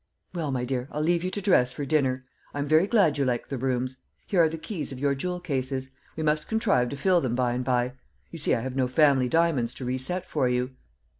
Well, my dear, I'll leave you to dress for dinner. I'm very glad you like the rooms. Here are the keys of your jewel cases; we must contrive to fill them by and by. You see I have no family diamonds to reset for you."